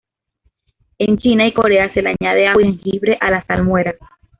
En China y Corea se le añade ajo y jengibre a la salmuera.